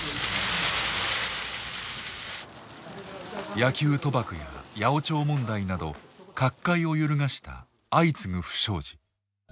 野球賭博や八百長問題など角界を揺るがした相次ぐ不祥事。